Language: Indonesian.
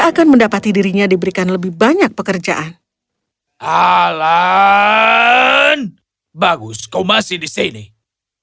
saya menetapkan hal pilihan pada afzkifall mimpi keluar di tomoko dahulu lapi berman shabar den divine ako